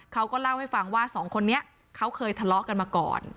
เขาก็เล่าให้ฟังว่าสองคนนี้เขาเคยทะเลาะกันมาก่อน